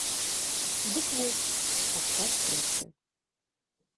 Дык вось, адказ просты.